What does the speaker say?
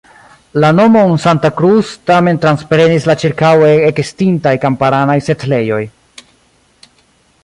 La nomon "Santa Cruz" tamen transprenis la ĉirkaŭe ekestintaj kamparanaj setlejoj.